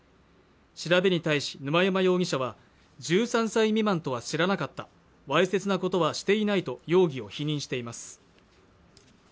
調べに対し沼山容疑者は１３歳未満とは知らなかったわいせつなことはしていないと容疑を否認しています